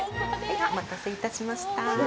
お待たせいたしました。